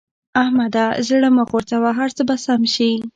احمده! زړه مه غورځوه؛ هر څه به سم شي.